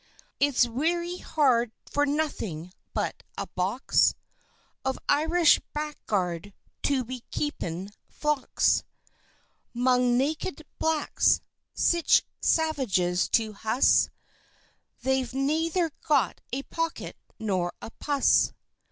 "It's wery hard for nothing but a Box Of Irish Blackguard to be keepin' Flocks, 'Mong naked Blacks, sich Savages to hus, They've nayther got a Pocket nor a Pus.